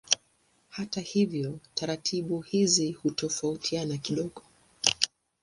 Hata hivyo taratibu hizi hutofautiana kidogo.